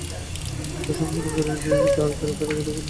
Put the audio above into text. আত্মসংবরণ করিয়া তিনি দ্বারে দাঁড়াইয়া ডাকিলেন, রাধারানী!